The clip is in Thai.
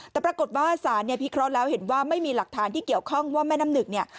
แต่ปรากฏว่าศาลเนี่ยพิเคราะห์แล้วเห็นว่าไม่มีหลักฐานที่เกี่ยวข้องว่าแม่น้ำหนึ่งเนี่ย